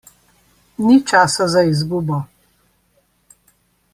Ni časa za izgubo.